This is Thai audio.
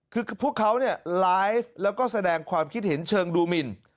คือพวกเขาเนี่ยไลฟ์แล้วก็แสดงความคิดเห็นเชิงดูหมิน